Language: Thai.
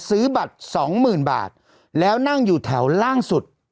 ซื้อบัตร๒๐๐๐๐บาทแล้วนั่งอยู่แถวล่างสุด